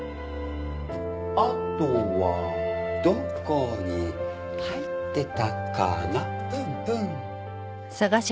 「あとはどこに入ってたかなプンプン」